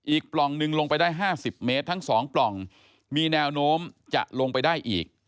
ปล่องหนึ่งลงไปได้๕๐เมตรทั้ง๒ปล่องมีแนวโน้มจะลงไปได้อีก